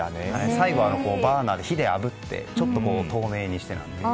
最後はバーナーの火であぶってちょっと透明にしてなんていう。